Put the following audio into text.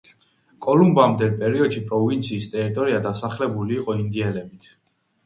კოლუმბამდელ პერიოდში პროვინციის ტერიტორია დასახლებული იყო ინდიელებით.